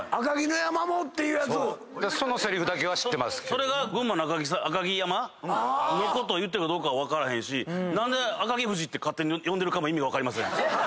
それが群馬の赤城山のこと言ってるかどうか分からへんし何で赤城富士って勝手に呼んでるかも意味分かりません。